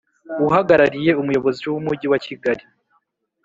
Uhagarariye Umuyobozi w Umujyi wa Kigali